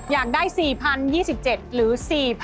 อยากได้๔๐๒๗หรือ๔๐๐